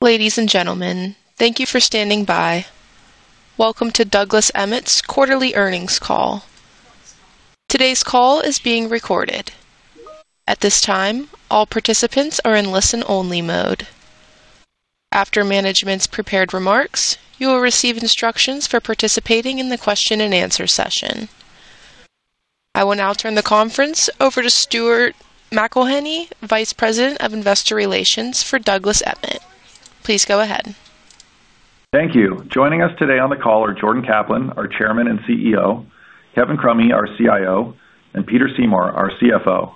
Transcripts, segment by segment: Ladies and gentlemen, thank you for standing by. Welcome to Douglas Emmett's quarterly earnings call. Today's call is being recorded. At this time, all participants are in listen-only mode. After management's prepared remarks, you will receive instructions for participating in the question-and-answer session. I will now turn the conference over to Stuart McElhinney, Vice President of Investor Relations for Douglas Emmett. Please go ahead. Thank you. Joining us today on the call are Jordan Kaplan, our Chairman and CEO, Kevin Crummy, our CIO, and Peter Seymour, our CFO.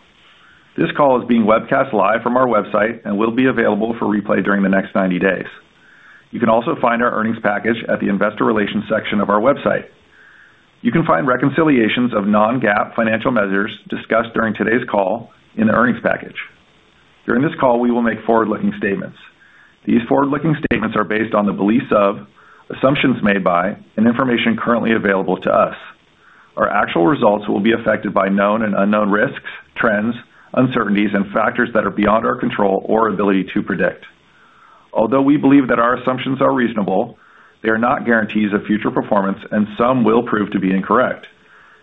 This call is being webcast live from our website and will be available for replay during the next 90 days. You can also find our earnings package at the investor relations section of our website. You can find reconciliations of non-GAAP financial measures discussed during today's call in the earnings package. During this call, we will make forward-looking statements. These forward-looking statements are based on the beliefs of, assumptions made by, and information currently available to us. Our actual results will be affected by known and unknown risks, trends, uncertainties, and factors that are beyond our control or ability to predict. Although we believe that our assumptions are reasonable, they are not guarantees of future performance, and some will prove to be incorrect.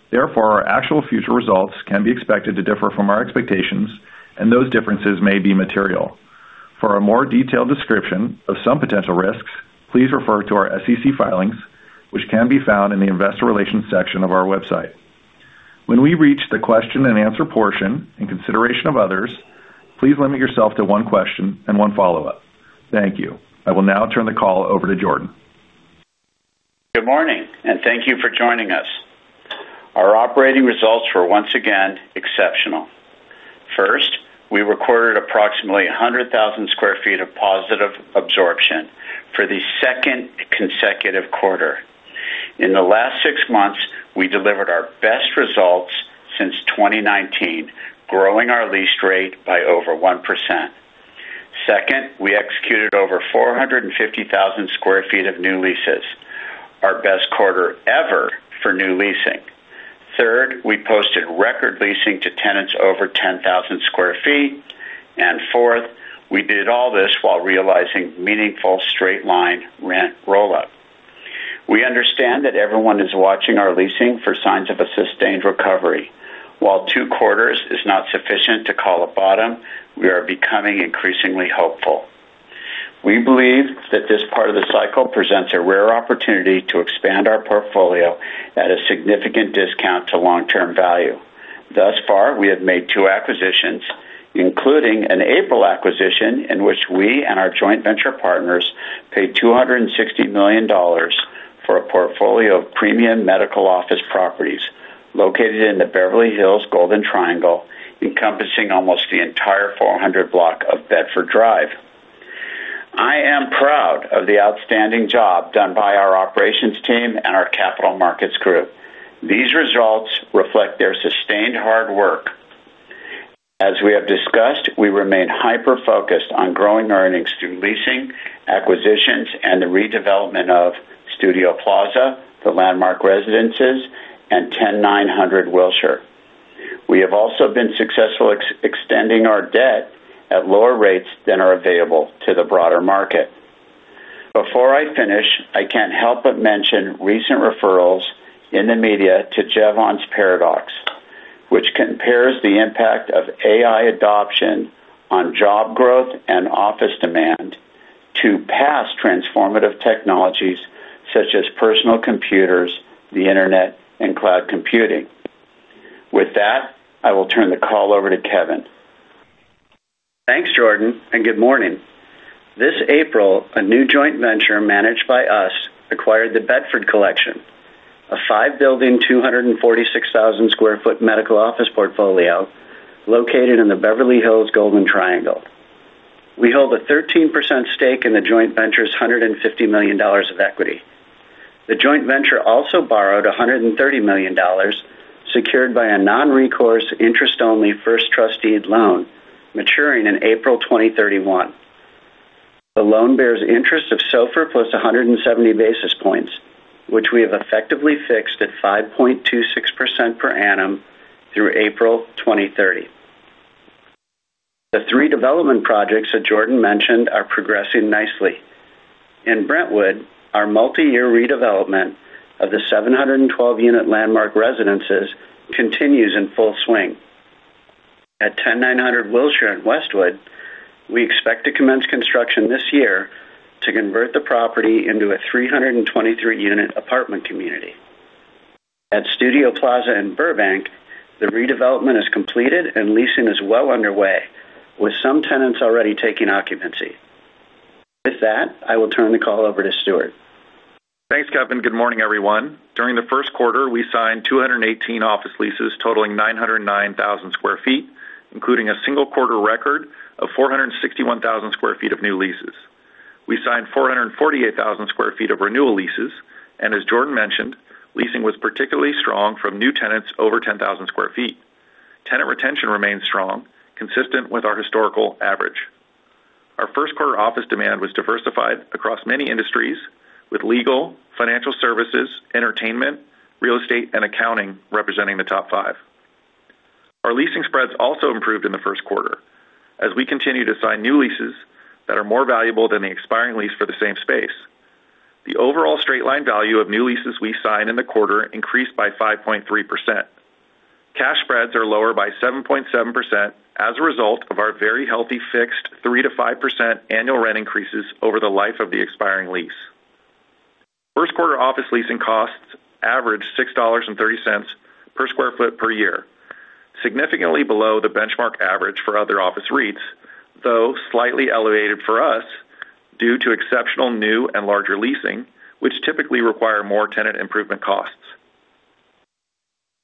Therefore, our actual future results can be expected to differ from our expectations, and those differences may be material. For a more detailed description of some potential risks, please refer to our SEC filings, which can be found in the investor relations section of our website. When we reach the question-and-answer portion, in consideration of others, please limit yourself to one question and one follow-up. Thank you. I will now turn the call over to Jordan. Good morning, and thank you for joining us. Our operating results were once again exceptional. First, we recorded approximately 100,000 sq ft of positive absorption for the second consecutive quarter. In the last six months, we delivered our best results since 2019, growing our lease rate by over 1%. Second, we executed over 450,000 sq ft of new leases, our best quarter ever for new leasing. Third, we posted record leasing to tenants over 10,000 sq ft. Fourth, we did all this while realizing meaningful straight-line rent rollout. We understand that everyone is watching our leasing for signs of a sustained recovery. While two quarters is not sufficient to call a bottom, we are becoming increasingly hopeful. We believe that this part of the cycle presents a rare opportunity to expand our portfolio at a significant discount to long-term value. Thus far, we have made two acquisitions, including an April acquisition in which we and our joint venture partners paid $260 million for a portfolio of premium medical office properties located in the Beverly Hills Golden Triangle, encompassing almost the entire 400 block of Bedford Drive. I am proud of the outstanding job done by our operations team and our capital markets group. These results reflect their sustained hard work. As we have discussed, we remain hyper-focused on growing earnings through leasing, acquisitions, and the redevelopment of Studio Plaza, The Landmark Residences, and 10900 Wilshire. We have also been successful extending our debt at lower rates than are available to the broader market. Before I finish, I can't help but mention recent referrals in the media to Jevons Paradox, which compares the impact of AI adoption on job growth and office demand to past transformative technologies such as personal computers, the Internet, and cloud computing. With that, I will turn the call over to Kevin. Thanks, Jordan, and good morning. This April, a new joint venture managed by us acquired The Bedford Collection, a five-building, 246,000 sq ft medical office portfolio located in the Beverly Hills Golden Triangle. We hold a 13% stake in the joint venture's $150 million of equity. The joint venture also borrowed $130 million, secured by a non-recourse interest-only first trust deed loan maturing in April 2031. The loan bears interest of SOFR plus 170 basis points, which we have effectively fixed at 5.26% per annum through April 2030. The three development projects that Jordan mentioned are progressing nicely. In Brentwood, our multi-year redevelopment of the 712-unit Landmark Residences continues in full swing. At 10900 Wilshire in Westwood, we expect to commence construction this year to convert the property into a 323-unit apartment community. At Studio Plaza in Burbank, the redevelopment is completed, and leasing is well underway, with some tenants already taking occupancy. With that, I will turn the call over to Stuart. Thanks, Kevin. Good morning, everyone. During the first quarter, we signed 218 office leases totaling 909,000 sq ft, including a single quarter record of 461,000 sq ft of new leases. We signed 448,000 sq ft of renewal leases, and as Jordan mentioned, leasing was particularly strong from new tenants over 10,000 sq ft. Tenant retention remains strong, consistent with our historical average. Our first quarter office demand was diversified across many industries, with legal, financial services, entertainment, real estate, and accounting representing the top five. Our leasing spreads also improved in the first quarter as we continue to sign new leases that are more valuable than the expiring lease for the same space. The overall straight-line value of new leases we signed in the quarter increased by 5.3%. Cash spreads are lower by 7.7% as a result of our very healthy fixed 3%-5% annual rent increases over the life of the expiring lease. First quarter office leasing costs averaged $6.30 per square foot per year, significantly below the benchmark average for other office REITs, though slightly elevated for us due to exceptional new and larger leasing, which typically require more tenant improvement costs.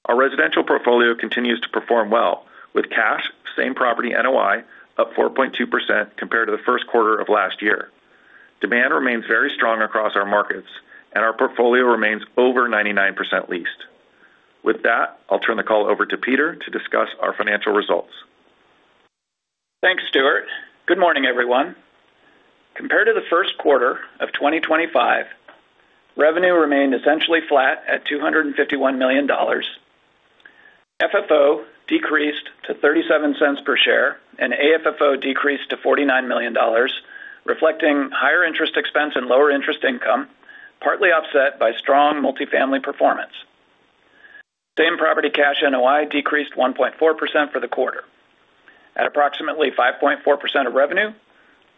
Our residential portfolio continues to perform well with cash same-property NOI up 4.2% compared to the first quarter of last year. Demand remains very strong across our markets, and our portfolio remains over 99% leased. With that, I'll turn the call over to Peter to discuss our financial results. Thanks, Stuart. Good morning, everyone. Compared to the 1st quarter of 2025, revenue remained essentially flat at $251 million. FFO decreased to $0.37 per share. AFFO decreased to $49 million, reflecting higher interest expense and lower interest income, partly offset by strong multifamily performance. Same-property cash NOI decreased 1.4% for the quarter. At approximately 5.4% of revenue,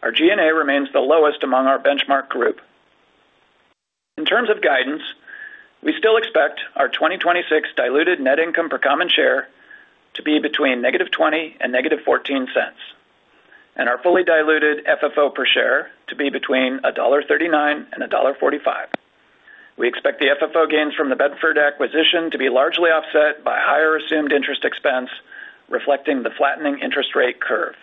our G&A remains the lowest among our benchmark group. In terms of guidance, we still expect our 2026 diluted net income per common share to be between -$0.20 and -$0.14. Our fully diluted FFO per share to be between $1.39 and $1.45. We expect the FFO gains from the Bedford acquisition to be largely offset by higher assumed interest expense, reflecting the flattening interest rate curve.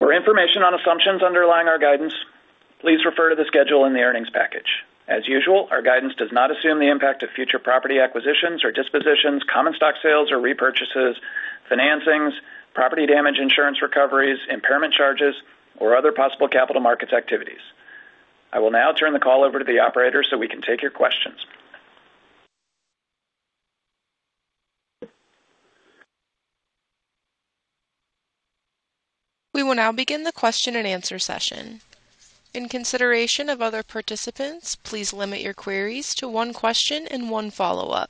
For information on assumptions underlying our guidance, please refer to the schedule in the earnings package. As usual, our guidance does not assume the impact of future property acquisitions or dispositions, common stock sales or repurchases, financings, property damage insurance recoveries, impairment charges, or other possible capital markets activities. I will now turn the call over to the operator so we can take your questions. We will now begin the question and answer session. In consideration of other participants, please limit your queries to one question and one follow-up.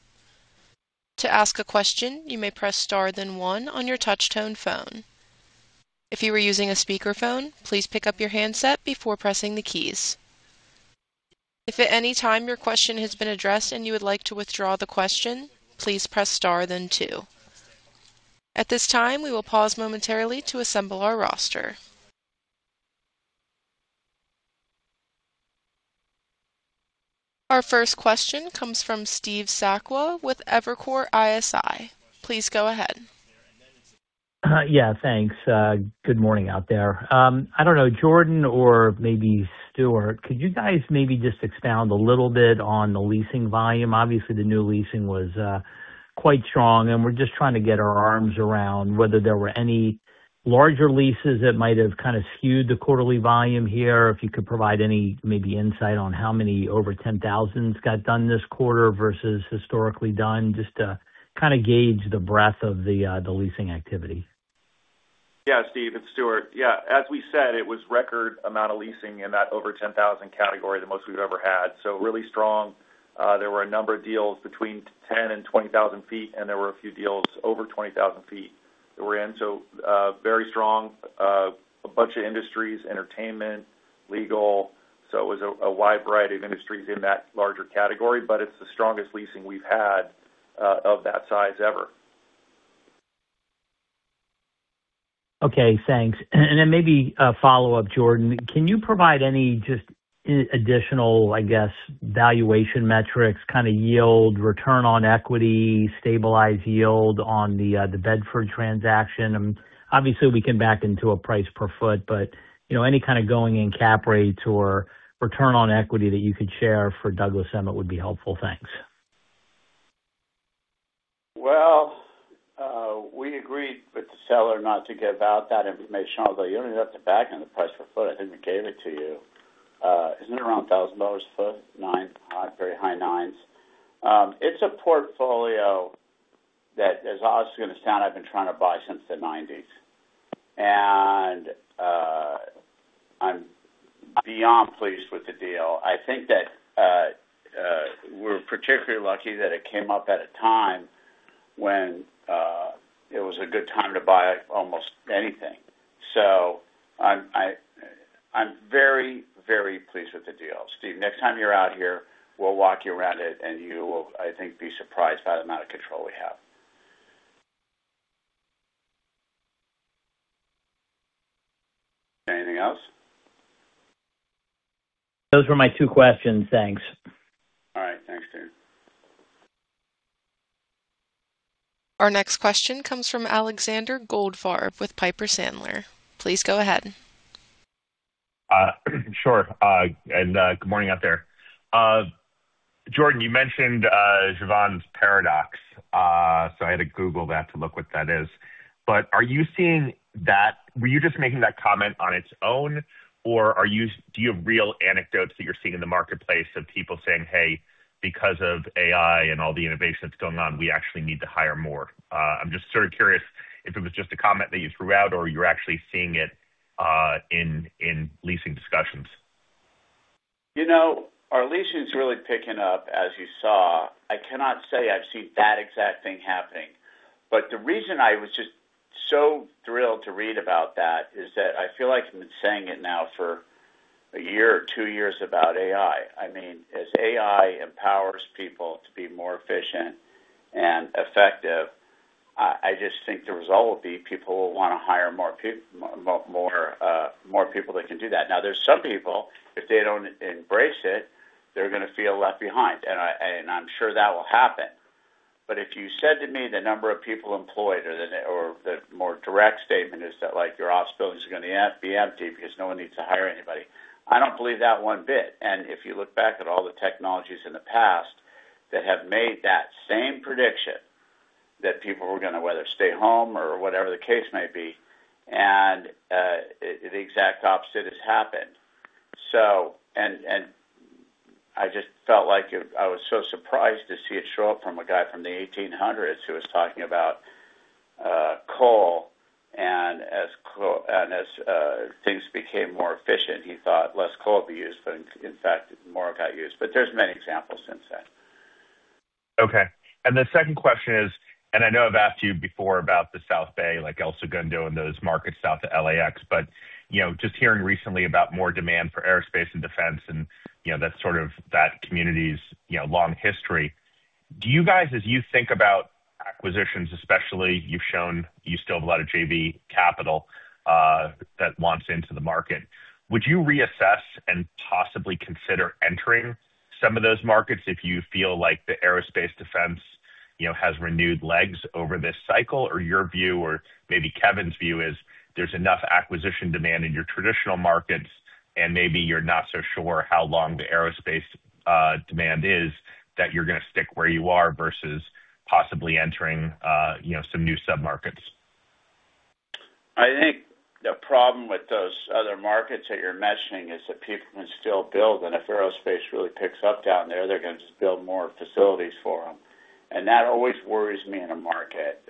To ask a question, you may press star then one on your touch-tone phone. If you are using a speakerphone, please pick up your handset before pressing the keys. If at any time your question has been addressed and you would like to withdraw the question, please press star then two. At this time we will pause momentarily to assemble our roster. Our first question comes from Steve Sakwa with Evercore ISI. Please go ahead. Yeah, thanks. Good morning out there. I don't know, Jordan or maybe Stuart, could you guys maybe just expound a little bit on the leasing volume? Obviously, the new leasing was quite strong, and we're just trying to get our arms around whether there were any larger leases that might have kind of skewed the quarterly volume here. If you could provide any maybe insight on how many over 10,000s got done this quarter versus historically done, just to kind of gauge the breadth of the leasing activity. Steve, it's Stuart. As we said, it was record amount of leasing in that over 10,000 category, the most we've ever had. Really strong. There were a number of deals between 10,000 ft and 20,000 ft, and there were a few deals over 20,000 ft that were in. Very strong. A bunch of industries, entertainment, legal. It was a wide variety of industries in that larger category, but it's the strongest leasing we've had of that size ever. Okay, thanks. Then maybe a follow-up. Jordan, can you provide any just additional, I guess, valuation metrics, kind of yield, return on equity, stabilized yield on The Bedford Collection transaction? Obviously we can back into a price per foot, but, you know, any kind of going-in cap rates or return on equity that you could share for Douglas Emmett would be helpful. Thanks. We agreed with the seller not to give out that information, although you ended up the backing the price per foot. I think we gave it to you. Isn't it around $1,000 a foot? Nine, very high nines. It's a portfolio that, as odd as it's gonna sound, I've been trying to buy since the 1990s. I'm beyond pleased with the deal. I think that we're particularly lucky that it came up at a time when it was a good time to buy almost anything. I'm very, very pleased with the deal. Steve, next time you're out here, we'll walk you around it, and you will, I think, be surprised by the amount of control we have. Anything else? Those were my two questions. Thanks. All right. Thanks, Steve. Our next question comes from Alexander Goldfarb with Piper Sandler. Please go ahead. Sure, good morning out there. Jordan, you mentioned Jevons Paradox. I had to Google that to look what that is. Are you seeing that? Were you just making that comment on its own, or do you have real anecdotes that you're seeing in the marketplace of people saying, "Hey, because of AI and all the innovation that's going on, we actually need to hire more"? I'm just sort of curious if it was just a comment that you threw out or you're actually seeing it in leasing discussions. You know, our leasing's really picking up, as you saw. I cannot say I've seen that exact thing happening. The reason I was just so thrilled to read about that is that I feel like I've been saying it now for a year or two years about AI. I mean, as AI empowers people to be more efficient and effective, I just think the result will be people will wanna hire more people that can do that. There's some people, if they don't embrace it, they're gonna feel left behind. I'm sure that will happen. If you said to me the number of people employed or the more direct statement is that, like, your office buildings are gonna be empty because no one needs to hire anybody, I don't believe that one bit. If you look back at all the technologies in the past that have made that same prediction that people were gonna whether stay home or whatever the case may be, and the exact opposite has happened. I just felt like it I was so surprised to see it show up from a guy from the 1800s who was talking about coal. As things became more efficient, he thought less coal would be used, but in fact, more got used. There's many examples since then. Okay. The second question is, and I know I've asked you before about the South Bay, like El Segundo and those markets south of LAX, but, you know, just hearing recently about more demand for aerospace and defense and, you know, that community's, you know, long history. Do you guys, as you think about acquisitions, especially you've shown you still have a lot of JV capital that wants into the market, would you reassess and possibly consider entering some of those markets if you feel like the aerospace defense, you know, has renewed legs over this cycle? Your view, or maybe Kevin's view is there's enough acquisition demand in your traditional markets, and maybe you're not so sure how long the aerospace demand is that you're gonna stick where you are versus possibly entering, you know, some new sub-markets. I think the problem with those other markets that you're mentioning is that people can still build. If aerospace really picks up down there, they're gonna just build more facilities for them. That always worries me in a market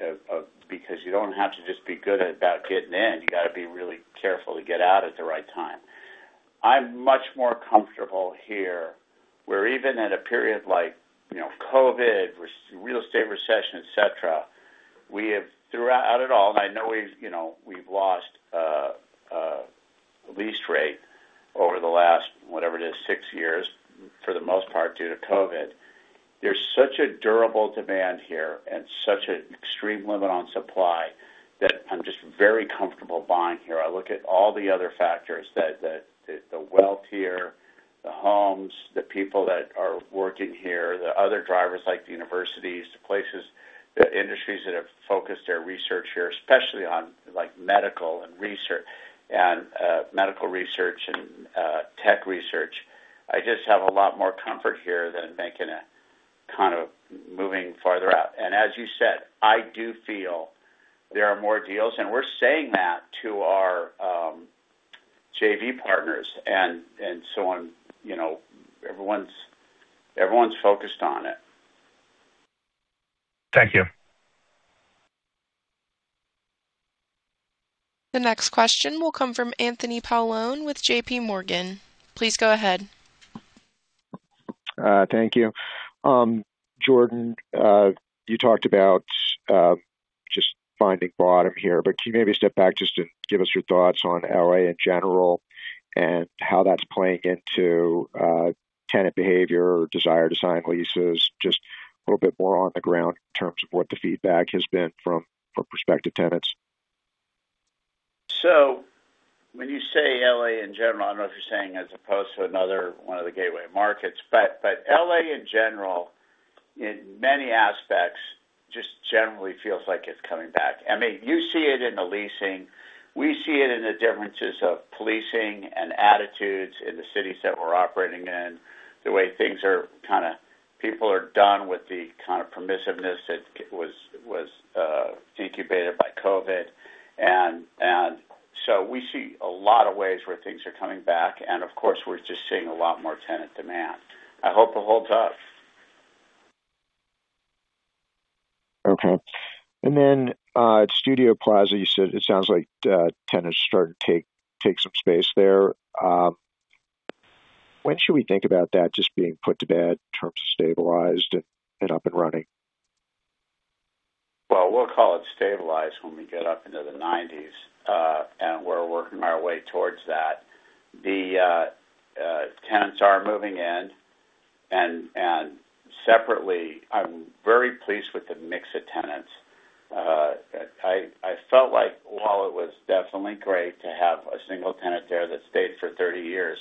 because you don't have to just be good at about getting in, you gotta be really careful to get out at the right time. I'm much more comfortable here, where even at a period like, you know, COVID, real estate recession, et cetera, we have, throughout it all, and I know we've, you know, we've lost lease rate over the last, whatever it is, six years, for the most part due to COVID. There's such a durable demand here and such an extreme limit on supply that I'm just very comfortable buying here. I look at all the other factors that the wealth here, the homes, the people that are working here, the other drivers like the universities, the places, the industries that have focused their research here, especially on like medical and medical research and tech research. I just have a lot more comfort here than making a kind of moving farther out. As you said, I do feel there are more deals, and we're saying that to our JV partners and so on. You know, everyone's focused on it. Thank you. The next question will come from Anthony Paolone with JPMorgan. Please go ahead. Thank you. Jordan, you talked about just finding bottom here, but can you maybe step back just to give us your thoughts on L.A. in general and how that's playing into tenant behavior or desire to sign leases? Just a little bit more on the ground in terms of what the feedback has been from prospective tenants. When you say L.A. in general, I don't know if you're saying as opposed to another one of the gateway markets. L.A. in general, in many aspects, just generally feels like it's coming back. I mean, you see it in the leasing. We see it in the differences of policing and attitudes in the cities that we're operating in, the way things are kinda people are done with the kind of permissiveness that was incubated by COVID. We see a lot of ways where things are coming back, and of course, we're just seeing a lot more tenant demand. I hope it holds up. Okay. At Studio Plaza, you said it sounds like tenants are starting to take some space there. When should we think about that just being put to bed in terms of stabilized and up and running? Well, we'll call it stabilized when we get up into the 90s. We're working our way towards that. Tenants are moving in. Separately, I'm very pleased with the mix of tenants. I felt like while it was definitely great to have a single tenant there that stayed for 30 years,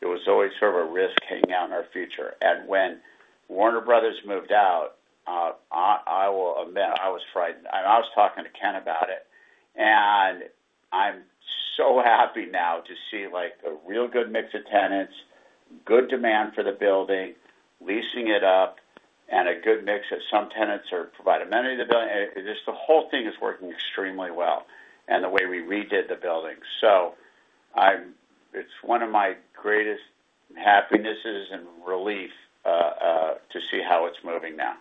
it was always sort of a risk hanging out in our future. When Warner Bros. moved out, I will admit I was frightened. I was talking to Ken about it, happy now to see like a real good mix of tenants, good demand for the building, leasing it up, and a good mix of some tenants are provide amenity to building. Just the whole thing is working extremely well and the way we redid the building. It's one of my greatest happinesses and relief, to see how it's moving now.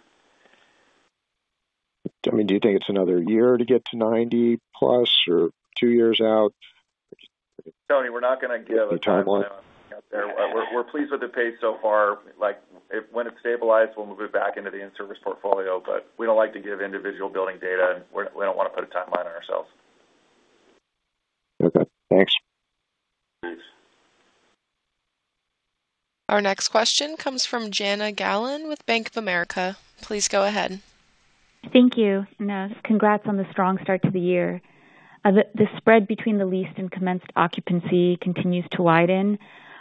I mean, do you think it's another year to get to 90+ or two years out? Tony, we're not gonna give. A timeline. -out there. We're pleased with the pace so far. Like when it's stabilized, we'll move it back into the in-service portfolio. We don't like to give individual building data, and we don't wanna put a timeline on ourselves. Okay, thanks. Thanks. Our next question comes from Jana Galan with Bank of America. Please go ahead. Thank you. Congrats on the strong start to the year. The spread between the leased and commenced occupancy continues to widen.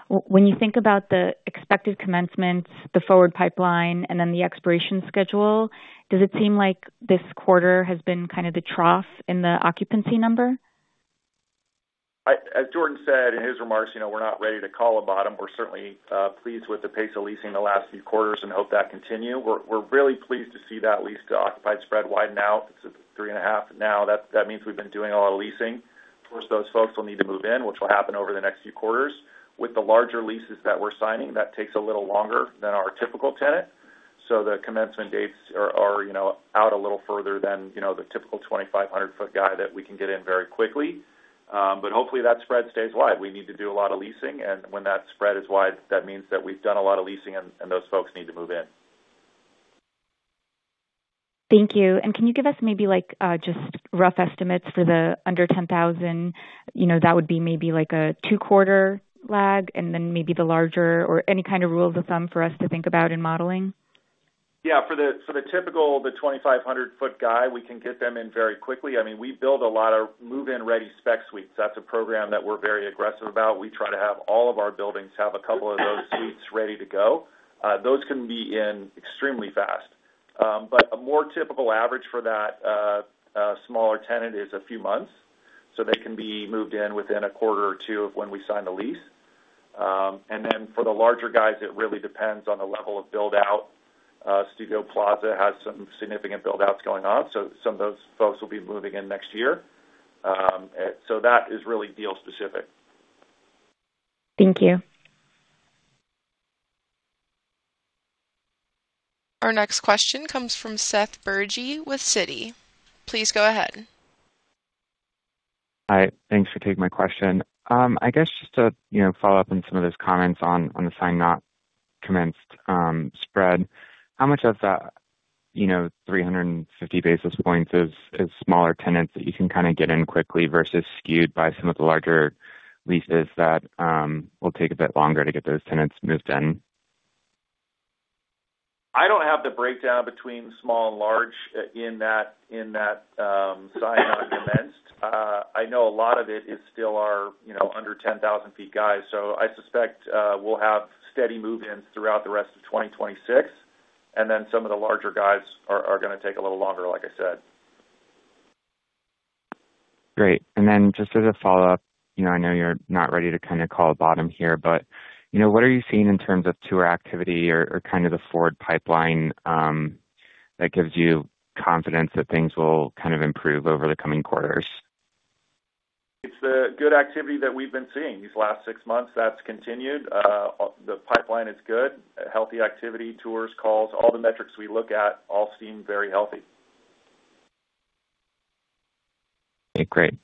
When you think about the expected commencement, the forward pipeline, and the expiration schedule, does it seem like this quarter has been kind of the trough in the occupancy number? As Jordan said in his remarks, you know, we're not ready to call a bottom. We're certainly pleased with the pace of leasing the last few quarters and hope that continue. We're really pleased to see that leased to occupied spread widen out. It's at 3.5 now. That means we've been doing a lot of leasing. Of course, those folks will need to move in, which will happen over the next few quarters. With the larger leases that we're signing, that takes a little longer than our typical tenant. The commencement dates are, you know, out a little further than, you know, the typical 2,500 ft guy that we can get in very quickly. Hopefully, that spread stays wide. We need to do a lot of leasing, and when that spread is wide, that means that we've done a lot of leasing and those folks need to move in. Thank you. Can you give us maybe like, just rough estimates for the under 10,000? You know, that would be maybe like a two-quarter lag, and then maybe the larger or any kind of rules of thumb for us to think about in modeling? Yeah. For the typical, the 2,500 ft guy, we can get them in very quickly. I mean, we build a lot of move-in ready spec suites. That's a program that we're very aggressive about. We try to have all of our buildings have a couple of those suites ready to go. Those can be in extremely fast. A more typical average for that smaller tenant is a few months, so they can be moved in within a quarter or two of when we sign the lease. For the larger guys, it really depends on the level of build-out. Studio Plaza has some significant build-outs going on, so some of those folks will be moving in next year. That is really deal specific. Thank you. Our next question comes from Seth Bergey with Citi. Please go ahead. Hi. Thanks for taking my question. I guess just to, you know, follow up on some of those comments on the signed not commenced spread. How much of that, you know, 350 basis points is smaller tenants that you can kinda get in quickly versus skewed by some of the larger leases that will take a bit longer to get those tenants moved in? I don't have the breakdown between small and large in that, signed not commenced. I know a lot of it is still our, you know, under 10,000 ft guys. I suspect, we'll have steady move-ins throughout the rest of 2026, and then some of the larger guys are gonna take a little longer, like I said. Great. Just as a follow-up, you know, I know you're not ready to kinda call a bottom here, but, you know, what are you seeing in terms of tour activity or kind of the forward pipeline, that gives you confidence that things will kind of improve over the coming quarters? It's the good activity that we've been seeing these last six months that's continued. The pipeline is good. Healthy activity, tours, calls, all the metrics we look at all seem very healthy. Okay, great.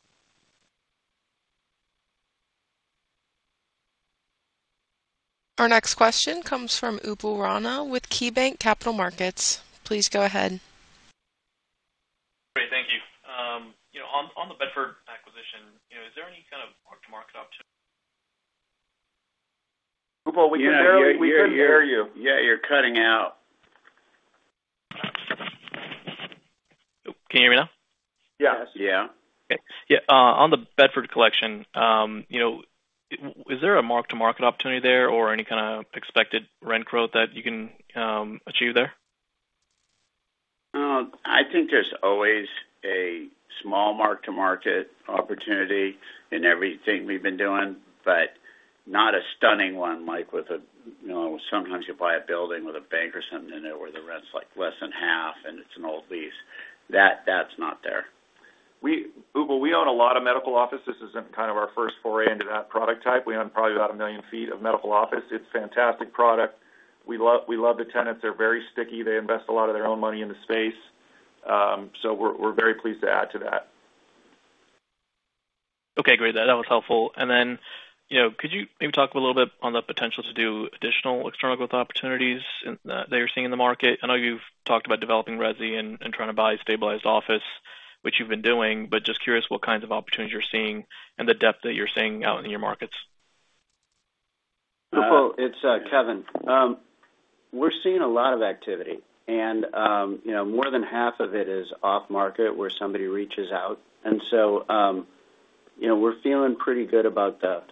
Our next question comes from Upal Rana with KeyBanc Capital Markets. Please go ahead. Great. Thank you. You know, on the Bedford acquisition, you know, is there any kind of mark to market. Upal, we can barely. Yeah. We can barely hear you. Yeah, you're cutting out. Can you hear me now? Yes. Yeah. Okay. Yeah, on The Bedford Collection, you know, was there a mark to market opportunity there or any kinda expected rent growth that you can achieve there? I think there's always a small mark to market opportunity in everything we've been doing, but not a stunning one like with a You know, sometimes you buy a building with a bank or something in it where the rent's like less than half, and it's an old lease. That's not there. Upal, we own a lot of medical office. This is kind of our first foray into that product type. We own probably about 1,000,000 ft of medical office. It's fantastic product. We love the tenants. They're very sticky. They invest a lot of their own money in the space. We're very pleased to add to that. Okay, great. That was helpful. Then, you know, could you maybe talk a little bit on the potential to do additional external growth opportunities that you're seeing in the market? I know you've talked about developing resi and trying to buy stabilized office, which you've been doing, just curious what kinds of opportunities you're seeing and the depth that you're seeing out in your markets. Upal, it's Kevin. We're seeing a lot of activity and, you know, more than half of it is off market where somebody reaches out. You know, we're feeling pretty good about the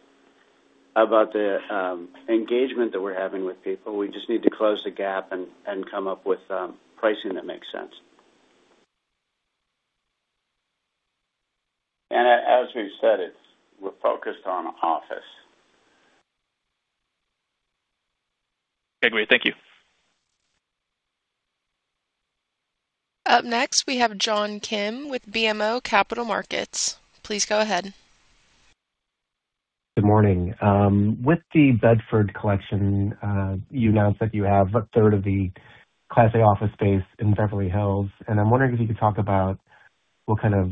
engagement that we're having with people. We just need to close the gap and come up with pricing that makes sense. As we've said, we're focused on office. Okay, great. Thank you. Up next, we have John Kim with BMO Capital Markets. Please go ahead. Good morning. With The Bedford Collection, you announced that you have a third of the Class A office space in Beverly Hills, and I'm wondering if you could talk about what kind of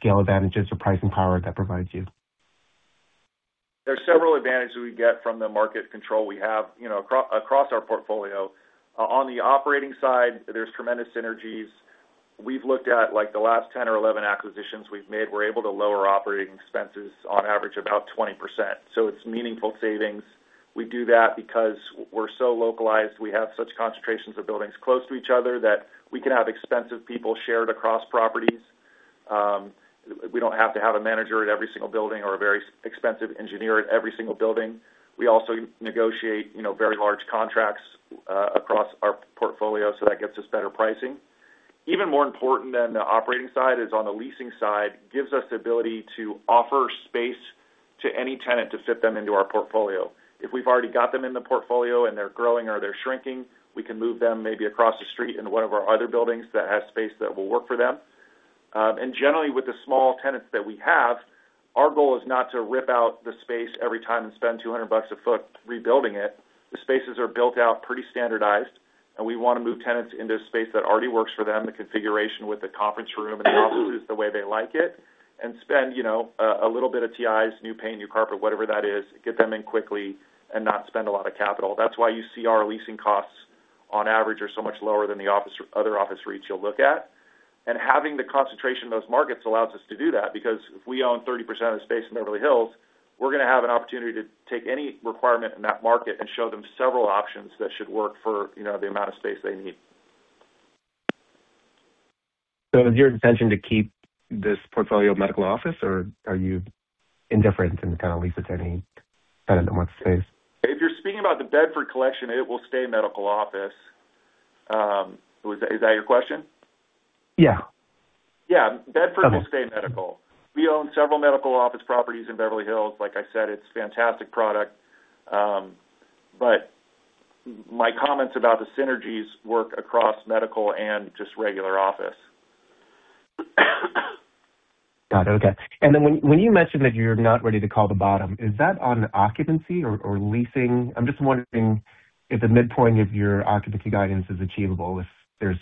scale advantages or pricing power that provides you. There are several advantages we get from the market control we have, you know, across our portfolio. On the operating side, there's tremendous synergies. We've looked at, like, the last 10 or 11 acquisitions we've made, we're able to lower operating expenses on average about 20%, so it's meaningful savings. We do that because we're so localized. We have such concentrations of buildings close to each other that we can have expensive people shared across properties. We don't have to have a manager at every single building or a very expensive engineer at every single building. We also negotiate, you know, very large contracts, across our portfolio, so that gets us better pricing. Even more important than the operating side is on the leasing side, gives us the ability to offer space to any tenant to fit them into our portfolio. If we've already got them in the portfolio and they're growing or they're shrinking, we can move them maybe across the street into one of our other buildings that has space that will work for them. Generally, with the small tenants that we have, our goal is not to rip out the space every time and spend $200 a foot rebuilding it. The spaces are built out pretty standardized, we wanna move tenants into a space that already works for them, the configuration with the conference room and the offices the way they like it, and spend, you know, a little bit of TIs, new paint, new carpet, whatever that is, get them in quickly and not spend a lot of capital. That's why you see our leasing costs on average are so much lower than the other office REITs you'll look at. Having the concentration in those markets allows us to do that because if we own 30% of the space in Beverly Hills, we're gonna have an opportunity to take any requirement in that market and show them several options that should work for, you know, the amount of space they need. Is your intention to keep this portfolio medical office, or are you indifferent and kind of lease it to any tenant that wants the space? If you're speaking about the Bedford Collection, it will stay medical office. Is that your question? Yeah. Yeah. Okay. Bedford will stay medical. We own several medical office properties in Beverly Hills. Like I said, it's fantastic product. My comments about the synergies work across medical and just regular office. Got it. Okay. Then when you mentioned that you're not ready to call the bottom, is that on occupancy or leasing? I'm just wondering if the midpoint of your occupancy guidance is achievable if there's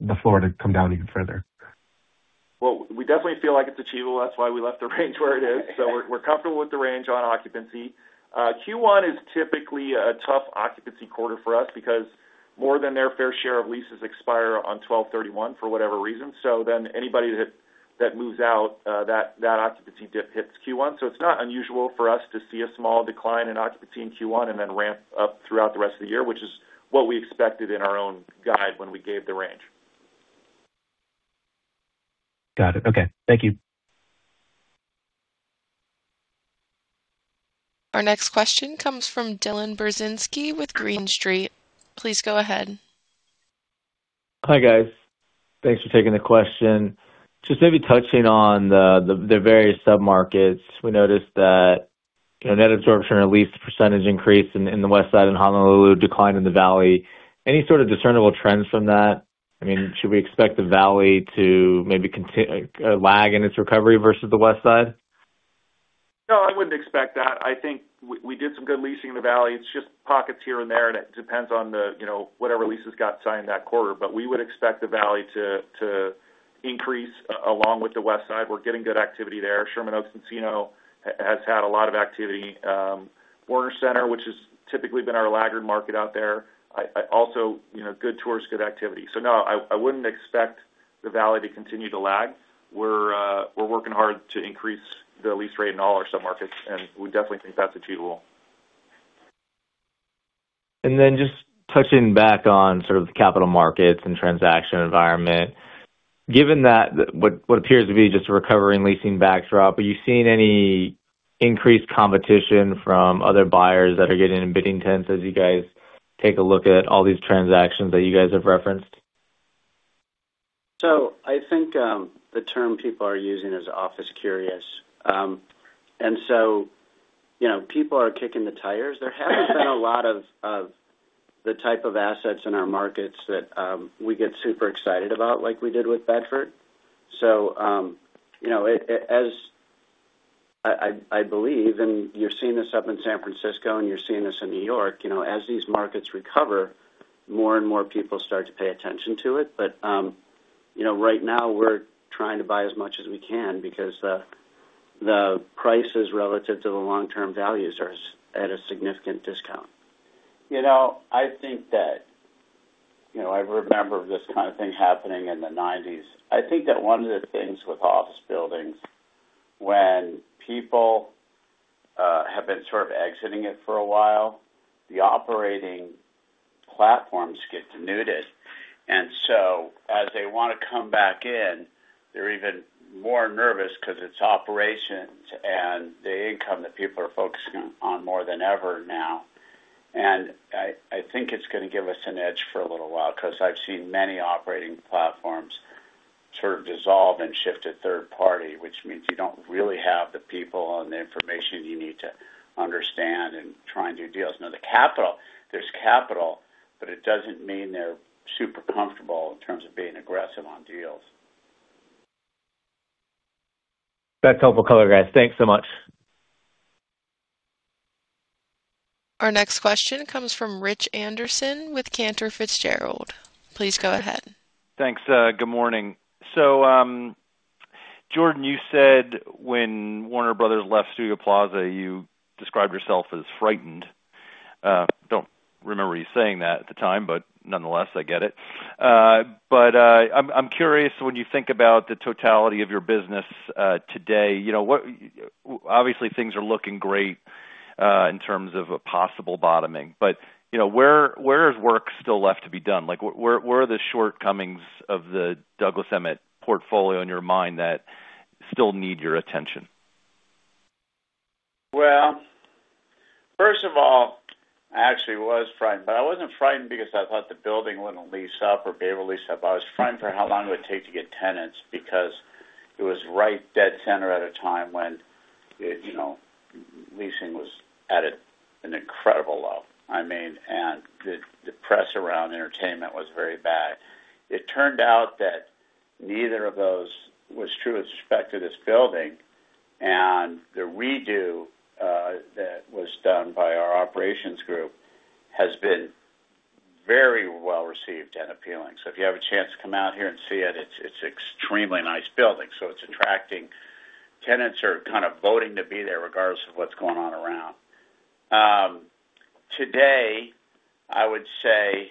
the floor to come down even further. Well, we definitely feel like it's achievable. That's why we left the range where it is. We're comfortable with the range on occupancy. Q1 is typically a tough occupancy quarter for us because more than their fair share of leases expire on 12/31 for whatever reason. Anybody that moves out, that occupancy dip hits Q1. It's not unusual for us to see a small decline in occupancy in Q1 and then ramp up throughout the rest of the year, which is what we expected in our own guide when we gave the range. Got it. Okay. Thank you. Our next question comes from Dylan Burzinski with Green Street. Please go ahead. Hi, guys. Thanks for taking the question. Just maybe touching on the various submarkets. We noticed that, you know, net absorption or lease percentage increase in the Westside and Honolulu declined in the Valley. Any sort of discernible trends from that? I mean, should we expect the Valley to maybe lag in its recovery versus the Westside? No, I wouldn't expect that. I think we did some good leasing in the Valley. It's just pockets here and there, and it depends on the, you know, whatever leases got signed that quarter. We would expect the Valley to increase along with the Westside. We're getting good activity there. Sherman Oaks, Encino has had a lot of activity. Warner Center, which has typically been our laggard market out there. Also, you know, good tourist, good activity. No, I wouldn't expect the Valley to continue to lag. We're working hard to increase the lease rate in all our submarkets, and we definitely think that's achievable. Just touching back on sort of the capital markets and transaction environment. Given that what appears to be just a recovering leasing backdrop, are you seeing any increased competition from other buyers that are getting in bidding wars as you guys take a look at all these transactions that you guys have referenced? I think the term people are using is office-curious. You know, people are kicking the tires. There hasn't been a lot of the type of assets in our markets that we get super excited about like we did with Bedford. You know, as I believe, and you're seeing this up in San Francisco and you're seeing this in New York, you know, as these markets recover, more and more people start to pay attention to it. You know, right now we're trying to buy as much as we can because the prices relative to the long-term values are at a significant discount. You know, I think that, you know, I remember this kind of thing happening in the 1990s. I think that one of the things with office buildings, when people have been sort of exiting it for a while, the operating platforms get denuded. As they wanna come back in, they're even more nervous because it's operations and the income that people are focusing on more than ever now. I think it's gonna give us an edge for a little while, 'cause I've seen many operating platforms sort of dissolve and shift to third party, which means you don't really have the people and the information you need to understand and try and do deals. Now, the capital, there's capital, but it doesn't mean they're super comfortable in terms of being aggressive on deals. That's helpful color, guys. Thanks so much. Our next question comes from Rich Anderson with Cantor Fitzgerald. Please go ahead. Thanks. good morning. Jordan, you said when Warner Bros. left Studio Plaza, you described yourself as frightened. Don't remember you saying that at the time, but nonetheless, I get it. I'm curious when you think about the totality of your business today, you know, Obviously, things are looking great in terms of a possible bottoming, but, you know, where is work still left to be done? Like, where are the shortcomings of the Douglas Emmett portfolio in your mind that still need your attention? First of all, I actually was frightened, but I wasn't frightened because I thought the building wouldn't lease up or be able to lease up. I was frightened for how long it would take to get tenants because it was right dead center at a time when it, you know, leasing was at an incredible low. I mean, the press around entertainment was very bad. It turned out that neither of those was true with respect to this building. The redo that was done by our operations group has been very well-received and appealing. If you have a chance to come out here and see it's extremely nice building, so it's attracting tenants are kind of voting to be there regardless of what's going on around. Today, I would say,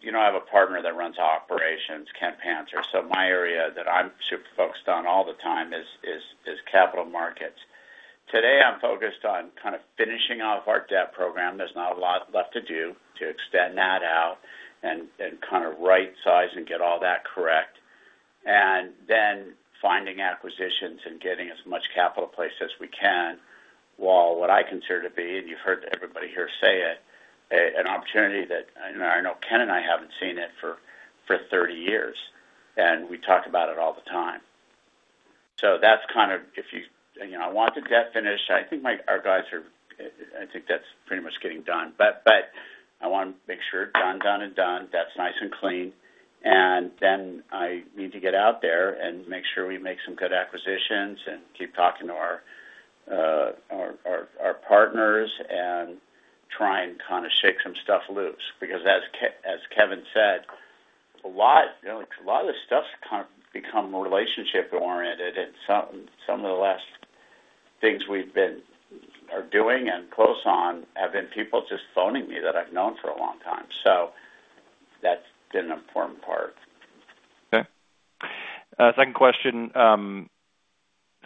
you know I have a partner that runs operations, Kenneth Panzer, so my area that I'm super focused on all the time is capital markets. Today I'm focused on kind of finishing off our debt program. There's not a lot left to do to extend that out and kind of rightsize and get all that correct. Then finding acquisitions and getting as much capital placed as we can, while what I consider to be, and you've heard everybody here say it, an opportunity that, and I know Ken and I haven't seen it for 30 years, and we talk about it all the time. That's kind of if you know, I want the debt finished. I think our guys are I think that's pretty much getting done. I want to make sure it's done and done. Debt's nice and clean. I need to get out there and make sure we make some good acquisitions and keep talking to our partners and try and kind of shake some stuff loose. As Kevin said, a lot, you know, a lot of this stuff's kind of become relationship-oriented, and some of the last things we are doing and close on have been people just phoning me that I've known for a long time. That's been an important part. Okay. second question.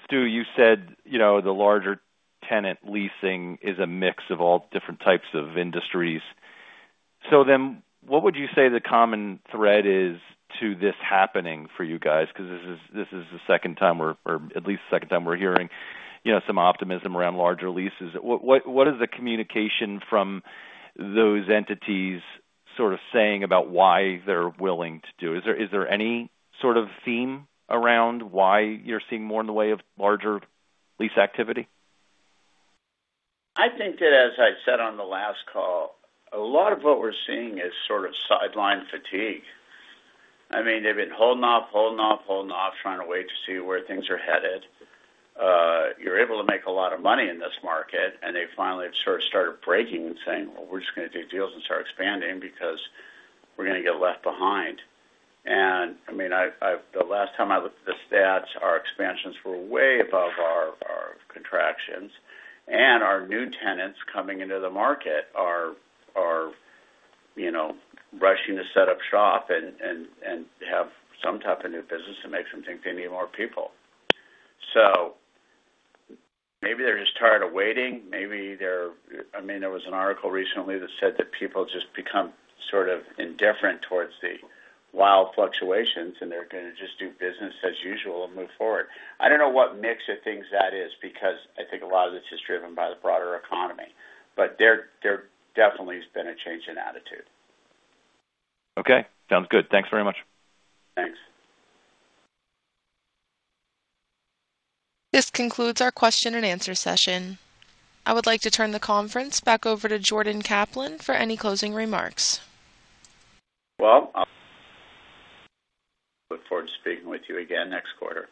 Stu, you said, you know, the larger tenant leasing is a mix of all different types of industries. What would you say the common thread is to this happening for you guys? 'Cause this is the second time we're, or at least the second time we're hearing, you know, some optimism around larger leases. What is the communication from those entities sort of saying about why they're willing to do? Is there any sort of theme around why you're seeing more in the way of larger lease activity? I think that, as I've said on the last call, a lot of what we're seeing is sort of sideline fatigue. I mean, they've been holding off, holding off, holding off, trying to wait to see where things are headed. You're able to make a lot of money in this market, and they finally have sort of started breaking and saying, "Well, we're just gonna do deals and start expanding because we're gonna get left behind." I mean, I've The last time I looked at the stats, our expansions were way above our contractions. Our new tenants coming into the market are, you know, rushing to set up shop and have some type of new business that makes them think they need more people. Maybe they're just tired of waiting. Maybe they're I mean, there was an article recently that said that people just become sort of indifferent towards the wild fluctuations, and they're gonna just do business as usual and move forward. I don't know what mix of things that is because I think a lot of it's just driven by the broader economy. There definitely has been a change in attitude. Okay. Sounds good. Thanks very much. Thanks. This concludes our question and answer session. I would like to turn the conference back over to Jordan Kaplan for any closing remarks. Well, look forward to speaking with you again next quarter.